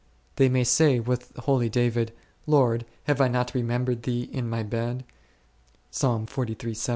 They may say with holy David, Lord, have I not remembered Thee in my bed h ?